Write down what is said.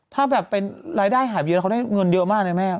ถ้าแบบเป็นรายได้หาบเยอะเขาได้เงินเยอะมากเลยแม่